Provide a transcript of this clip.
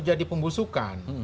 jadi ada orang yang sudah melakukan